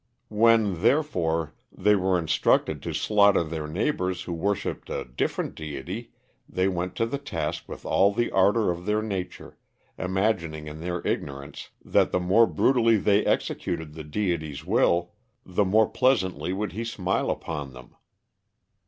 When, therefore, they were instructed to slaughter their neighbors who worshipped a different deity, they went to the task with all the ardor of their nature, imagining in their ignorance that the more brutally they executed the deity's will, the more pleasantly would he smile upon them.